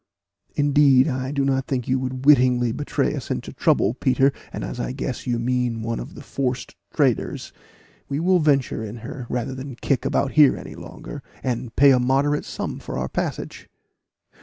"Indeed, I do not think you would wittingly betray us into trouble, Peter; and as I guess you mean one of the forced traders, we will venture in her, rather than kick about here any longer, and pay a moderate sum for our passage."